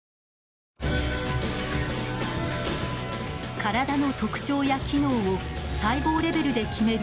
体の特徴や機能を細胞レベルで決める